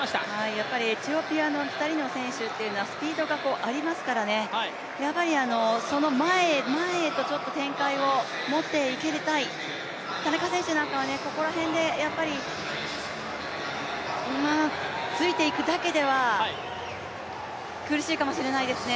やっぱりエチオピアの２人の選手はスピードがありますからその前へ前へと展開を持っていきたい、田中選手なんかはここら辺でやっぱりついていくだけでは苦しいかもしれないですね。